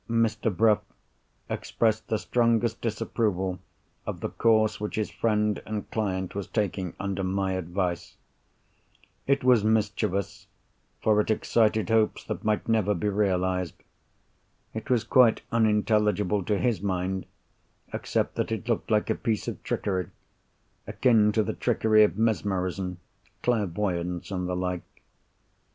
Mr. Bruff expressed the strongest disapproval of the course which his friend and client was taking under my advice. It was mischievous—for it excited hopes that might never be realised. It was quite unintelligible to his mind, except that it looked like a piece of trickery, akin to the trickery of mesmerism, clairvoyance, and the like.